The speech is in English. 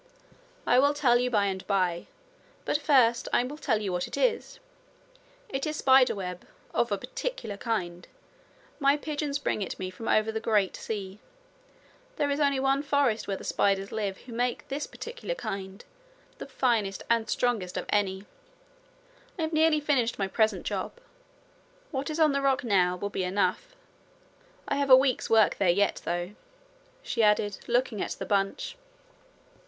'I will tell you by and by. But first I will tell you what it is. It is spider web of a particular kind. My pigeons bring it me from over the great sea. There is only one forest where the spiders live who make this particular kind the finest and strongest of any. I have nearly finished my present job. What is on the rock now will be enough. I have a week's work there yet, though,' she added, looking at the bunch.